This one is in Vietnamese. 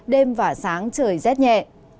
đêm và sáng trời rét nhẹ